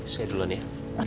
saya duluan ya